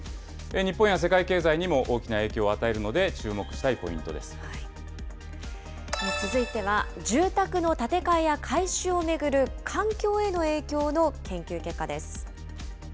日本や世界経済にも大きな影響を与えるので注目したいポイントで続いては、住宅の建て替えや改修を巡る環境への影響の研究結果です。